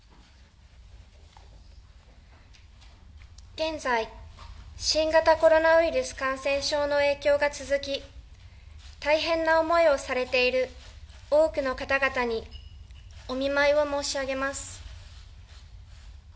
現在、新型コロナウイルス感染症の影響が続き大変な思いをされている多くの方々にお見舞いを申し上げます。